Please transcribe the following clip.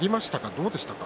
どうでしたか？